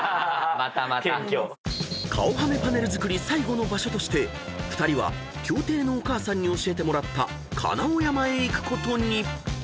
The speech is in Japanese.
［顔はめパネル作り最後の場所として２人は「京亭」のお母さんに教えてもらった金尾山へ行くことに］